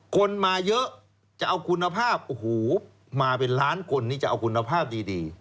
คนมาเยอะจะเอาคุณภาพโอ้โหมาเป็นล้านคนนี่จะเอาคุณภาพดี